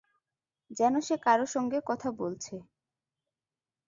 যেন সে কারো সঙ্গে কথা বলছে।